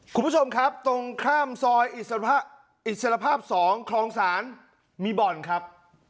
คุณผู้ชมครับตรงข้ามซอยอิสระภาพ๒คลองศาลมีบ่อนครับ